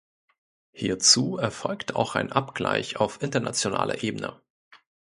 Hierzu erfolgt auch ein Abgleich auf internationaler Ebene.